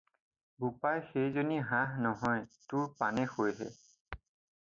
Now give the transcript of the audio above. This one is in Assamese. বোপাই সেইজনী হাঁহ নহয় তোৰ পানেশৈহে।